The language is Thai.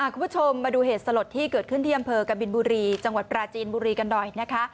คุณผู้ชมมาดูเหตุสลดที่เกิดขึ้นที่อำเภอกบินบุรีจังหวัดปราจีนบุรีกันหน่อยนะคะ